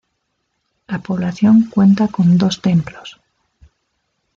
La población cuenta con dos templos.